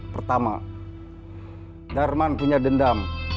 pertama darman punya dendam